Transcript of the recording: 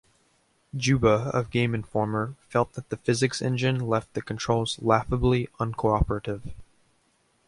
Juba of "Game Informer" felt that the physics engine left the controls "laughably uncooperative".